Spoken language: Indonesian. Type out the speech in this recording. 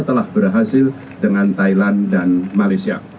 telah berhasil dengan thailand dan malaysia